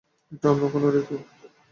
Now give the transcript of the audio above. এটা অন্য কোনো ঋতু।